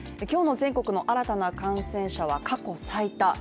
今日の全国の新たな感染者は過去最多。